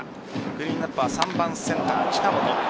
クリーンアップは３番センター・近本。